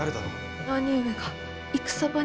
兄上が戦場に。